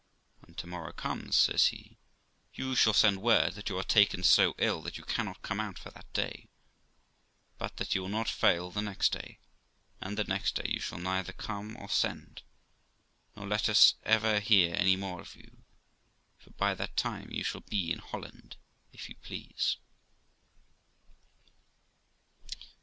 When to morrow comes', says he, 'you shall send word that you are taken so ill that you cannot come out for that day, but that you will not fail the next day ; and the next day you shall neither come or send, nor let us ever hear any more of you; for by that time you shall be in Holland, if you please.'